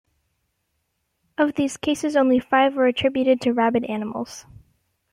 Of these cases, only five were attributed to rabid animals.